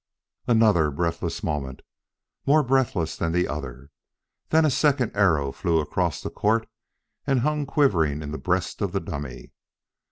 Another breathless moment more breathless than the other; then a second arrow flew across the court and hung quivering in the breast of the dummy.